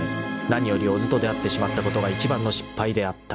［何より小津と出会ってしまったことが一番の失敗であった］